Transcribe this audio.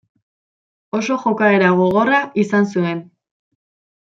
Oso jokaera gogorra izan zuen.